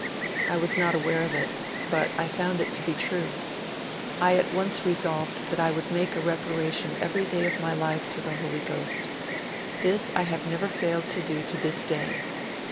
I was not aware of it; but I found it to be true. I at once resolved that I would make a reparation every day of my life to the Holy Ghost. This I have never failed to do to this day.